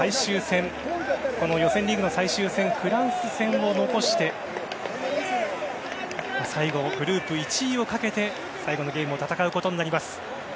予選リーグの最終戦のフランス戦を残してグループ１位をかけて最後のゲームを戦うことになります。